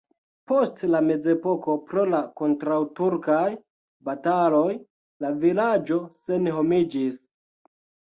Post la mezepoko pro la kontraŭturkaj bataloj la vilaĝo senhomiĝis.